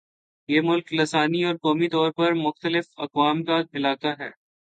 یہ ملک لسانی اور قومی طور پر مختلف اقوام کا علاقہ ہے